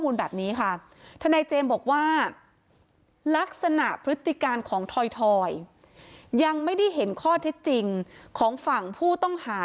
ลักษณะพฤติการของทอยทอยยังไม่ได้เห็นข้อเท็จจริงของฝั่งผู้ต้องหา